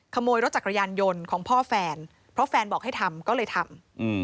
ขโมยรถจักรยานยนต์ของพ่อแฟนเพราะแฟนบอกให้ทำก็เลยทำ